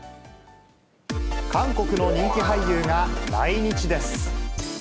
韓国の人気俳優が来日です。